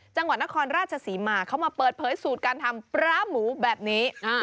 จังหวัดนครราชศรีมาเขามาเปิดเผยสูตรการทำปลาหมูแบบนี้